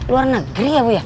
luar negeri ya bu